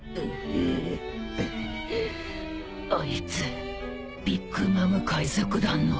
あいつビッグ・マム海賊団の。